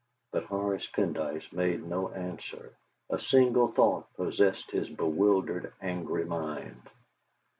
But Horace Pendyce made no answer. A single thought possessed his bewildered, angry mind